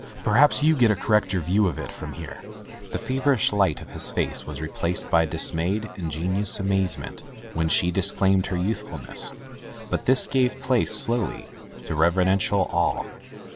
Perhaps you get a correcter view of it from here.'' The feverish light of his face was replaced by dismayed, ingenuous amazement when she disclaimed her youthfulness, but this gave place, slowly, to reverential awe.